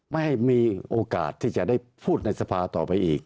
ไม่ให้มีโอกาสที่จะได้พูดในสภาต่อไปอีก